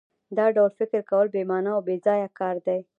دا ډول فکر کول بې مانا او بېځایه کار دی